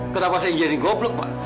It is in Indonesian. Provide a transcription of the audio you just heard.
kenapa saya jadi goblok pak